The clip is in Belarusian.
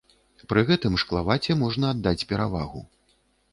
Пры гэтым шклаваце можна аддаць перавагу.